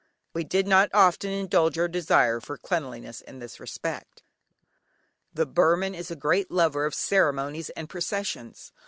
We did not often indulge our desire for cleanliness in this respect. The Burman is a great lover of ceremonies and processions.